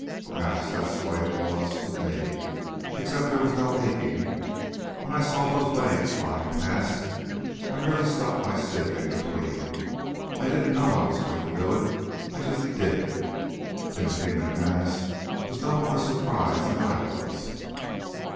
Perhaps that's the way it was with me, except that there was no aching. When I saw those legs flying past, I merely stuck my stick in between. I didn't know I was going to do it. I just did it. Timothy McManus was no more surprised than I was."